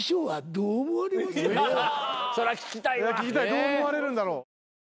どう思われるんだろう。